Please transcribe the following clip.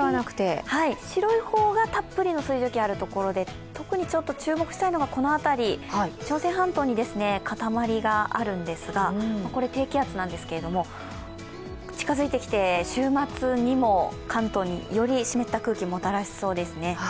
白い方がたっぷりの水蒸気があるところで特に注目したいのは、朝鮮半島に塊があるんですが、これ低気圧なんですけれども、近づいてきて週末にも関東により湿った空気をもたらしそうですね。